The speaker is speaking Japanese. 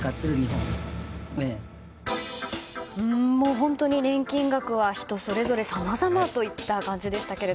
本当に年金額は人それぞれさまざまといった感じでしたが。